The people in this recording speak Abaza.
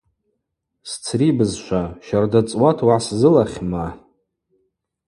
Сцри бызшва, щарда цӏуата угӏасзылахьма?